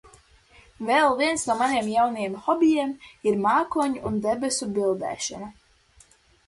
Vēl viens no maniem jaunajiem hobijiem ir mākoņu un debesu bildēšana.